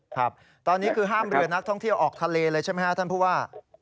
ครับตอนนี้คือห้ามเรือนักท่องเที่ยวออกทะเลเลยใช่ไหมครับท่านผู้ว่า